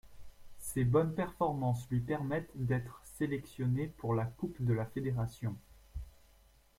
Ses bonnes performances lui permettent d'être sélectionnée pour la Coupe de la Fédération.